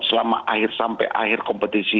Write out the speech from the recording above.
selama akhir sampai akhir kompetisi